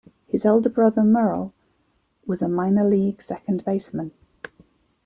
His elder brother, Merle, was a minor league second baseman.